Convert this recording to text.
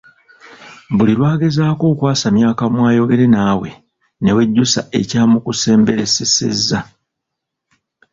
Buli lwagezaako okwasamya akamwa ayogere naawe ne wejjusa ekyamukusemberesezza.